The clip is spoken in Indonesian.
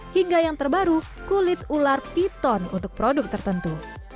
hingga yang terbaru kulit ular piton untuk produk tertentu